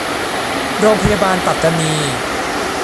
โรงพยาบาลปัตตานี